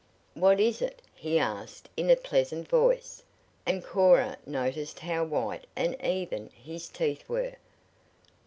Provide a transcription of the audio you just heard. "What is it?" he asked in a pleasant voice, and Cora noticed how white and even his teeth were.